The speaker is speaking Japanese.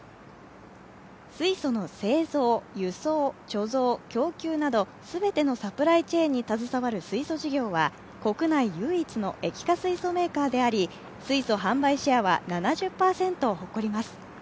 水素の製造・輸送・貯蔵・供給など全てのサプライチェーンに携わる水素事業は国内唯一の液化水素メーカーであり水素販売シェアは７０％を誇ります。